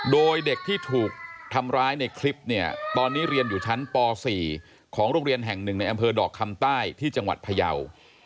โดยเด็กที่ถูกทำร้ายในคลิปเนี่ยตอนนี้เรียนอยู่ชั้นป๔ของโรงเรียนแห่งหนึ่งในอำเภอดอกคำใต้ที่จังหวัดพยาว